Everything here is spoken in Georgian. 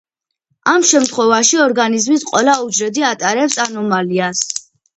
ამ შემთხვევაში ორგანიზმის ყველა უჯრედი ატარებს ანომალიას.